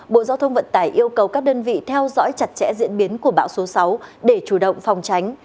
bộ giao thông vận tải yêu cầu các đơn vị theo dõi chặt chẽ diễn biến của bão số sáu để chủ động phòng tránh